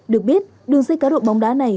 được biết đường dây cá độ bóng đá này